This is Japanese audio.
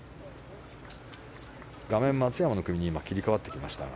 画面、松山の組に切り替わりました。